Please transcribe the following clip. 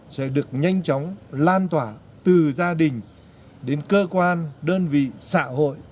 sẽ được nhanh chóng lan tỏa từ gia đình đến cơ quan đơn vị xã hội